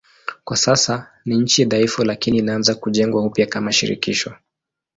Kwa sasa ni nchi dhaifu lakini inaanza kujengwa upya kama shirikisho.